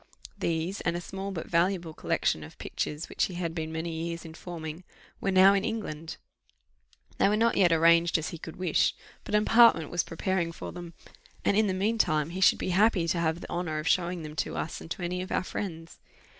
These, and a small but valuable collection of pictures which he had been many years in forming, were now in England: they were not yet arranged as he could wish, but an apartment was preparing for them; and in the mean time, he should be happy to have the honour of showing them to us and to any of our friends.